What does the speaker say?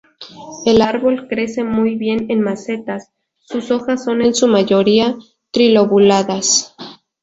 El árbol crece muy bien en macetas, sus hojas son en su mayoría trilobuladas.